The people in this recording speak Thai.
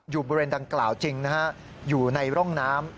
บริเวณดังกล่าวจริงนะฮะอยู่ในร่องน้ำ